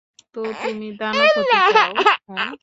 তো, তুমি দানব হতে চাও, হাহ?